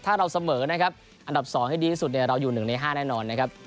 ถ้าเราเสมอนะครับอันดับ๒ให้ดีที่สุดเนี่ยเราอยู่๑ใน๕แน่นอนนะครับ